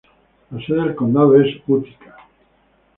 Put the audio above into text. La sede del condado es Utica.